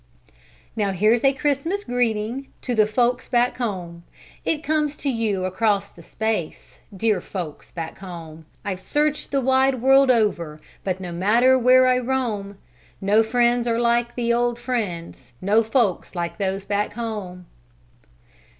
Now here's a Christmas greeting To the "folks back home." It comes to you across the space, Dear folks back home! I've searched the wide world over, But no matter where I roam, No friends are like the old friends, No folks like those back home!